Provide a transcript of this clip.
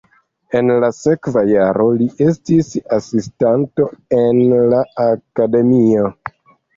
En la sekva jaro li estis asistanto en la akademio.